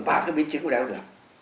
và các biến chứng của đáy thao đường